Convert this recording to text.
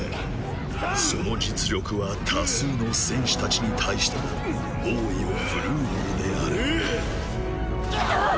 その実力は多数の戦士たちに対しても猛威を振るうほどであるあぁ！